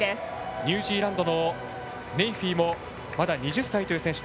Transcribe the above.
ニュージーランドのネイフィもまだ２０歳という選手。